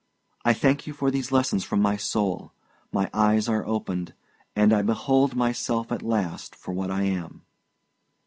I thank you for these lessons from my soul; my eyes are opened, and I behold myself at last for what I am."